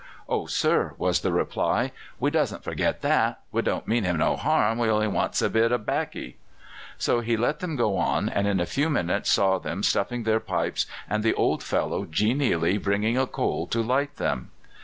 "Oh, sir!" was the reply, "we doesn't forget that. We don't mean him no harm. We only wants a bit of baccy." So he let them go on, and in a few minutes saw them stuffing their pipes, and the old fellow genially bringing a coal to light them.